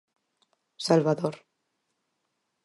Salvador.